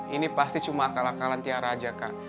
ini pasti cuma akal akalan tiara aja kak